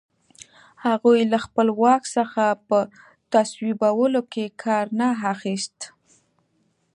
هغوی له خپل واک څخه په تصویبولو کې کار نه اخیست.